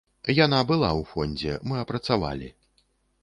Яна была ў фондзе, мы апрацавалі.